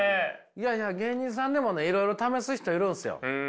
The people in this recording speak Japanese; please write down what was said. いやいや芸人さんでもいろいろ試す人いるんですよ。